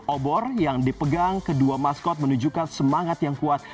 obor yang dipegang kedua maskot menunjukkan semangat yang kuat